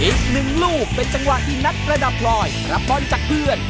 อีกหนึ่งลูกเป็นจังหวะที่นักประดับพลอยรับบอลจากเพื่อน